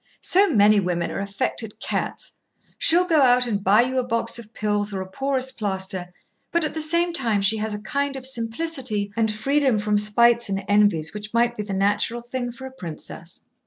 "So many women are affected cats. She'll go out and buy you a box of pills or a porous plaster, but at the same time she has a kind of simplicity and freedom from spites and envies which might be the natural thing for a princess."